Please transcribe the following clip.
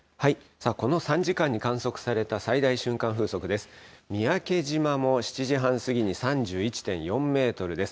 さあ、この３時間に観測された最大瞬間風速です。